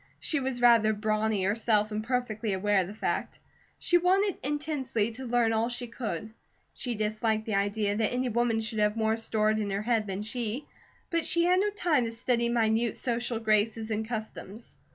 She was rather brawny herself, and perfectly aware of the fact. She wanted intensely to learn all she could, she disliked the idea that any woman should have more stored in her head than she, but she had no time to study minute social graces and customs.